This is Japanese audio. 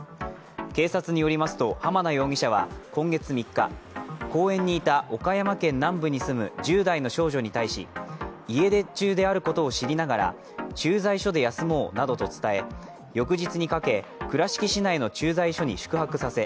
警察によりますと、濱名容疑者は今月３日、公園にいた岡山県南部に済む１０代の少女に対し、家出中であることを知りながら駐在所で休もうなどと伝え翌日にかけ倉敷市内の駐在所に宿泊させ